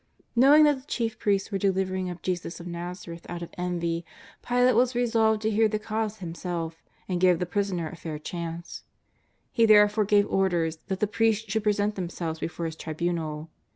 Knowing that the chief priests were delivering up Jesus of l^Tazareth out of envy, Pilate was resolved to hear the cause himself and give the Prisoner a fair chance. He therefore gave orders that the priests should present themselves before his tribunal.